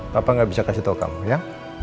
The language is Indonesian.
papa gak bisa kasih tahu kamu ya